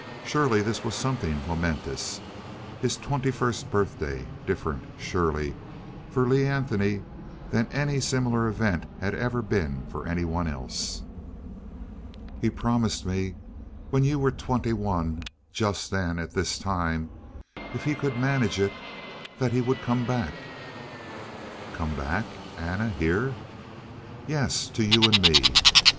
Surely this was something momentous. His twenty first birthday. Different, surely, for Lee Anthony than any similar event had ever been for anyone else. "He promised me when you were twenty one just then at this time, if he could manage it that he would come back " "Come back, Anna? Here?" "Yes. To you and me.